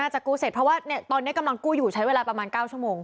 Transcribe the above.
จะกู้เสร็จเพราะว่าตอนนี้กำลังกู้อยู่ใช้เวลาประมาณ๙ชั่วโมง